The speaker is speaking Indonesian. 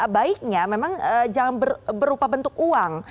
baiknya memang jangan berupa bentuk uang